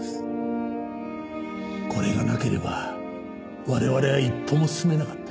これがなければ我々は一歩も進めなかった。